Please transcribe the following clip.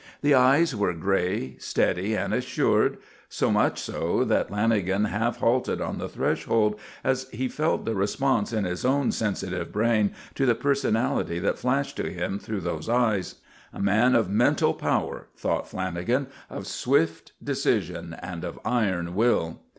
The eyes were grey, steady, and assured; so much so that Lanagan half halted on the threshold as he felt the response in his own sensitive brain to the personality that flashed to him through those eyes. A man of mental power, thought Lanagan; of swift decision and of iron will.